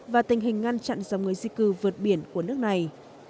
và tình hình ngăn chặn dòng người di cư vượt biển của nước này